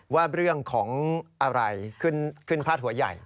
ว่าเรื่องของอะไรขึ้นพาดหัวใหญ่